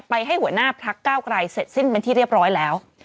ให้หัวหน้าพักเก้าไกลเสร็จสิ้นเป็นที่เรียบร้อยแล้ว